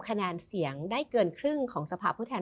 คะแนนเสียงได้เกินครึ่งของสภาพผู้แทน